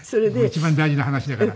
一番大事な話だから。